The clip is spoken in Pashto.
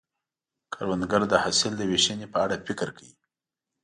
کروندګر د حاصل د ویشنې په اړه فکر کوي